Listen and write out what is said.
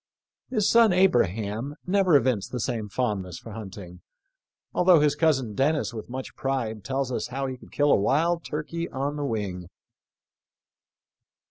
His son Abraham * never evinced the same fondness for hunting, although his cousin Dennis with much pride tells us how he could kill a wild turkey on the wing.